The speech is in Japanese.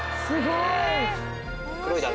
すごい。